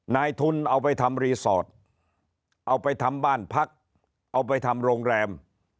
นายทุนเอาไปทำรีสอร์ทเอาไปทำบ้านพักเอาไปทำโรงแรม